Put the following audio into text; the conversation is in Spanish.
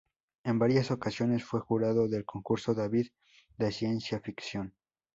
En varias ocasiones fue jurado del Concurso David de ciencia ficción.